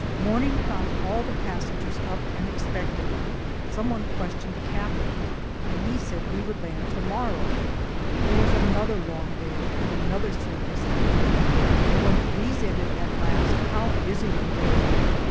Morning found all the passengers up and expectant. Someone questioned the captain, and he said we would land to morrow. There was another long day, and another sleepless night, but when these ended at last, how busy we were!